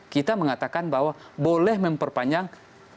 kita mengatakan bahwa boleh memperpanjang